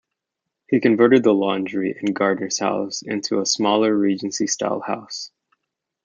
He converted the laundry and gardener's house into a smaller Regency-style house.